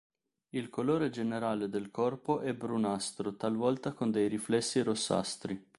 Il colore generale del corpo è brunastro talvolta con dei riflessi rossastri.